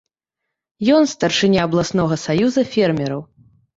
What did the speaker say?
Ён старшыня абласнога саюза фермераў.